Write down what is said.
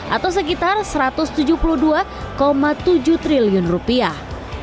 atau sekitar satu ratus tujuh puluh dua tujuh triliun rupiah